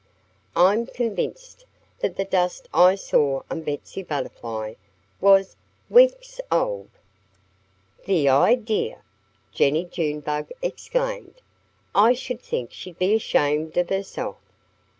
"I'm convinced that the dust I saw on Betsy Butterfly was weeks old." "The idea!" Jennie Junebug exclaimed. "I should think she'd be ashamed of herself.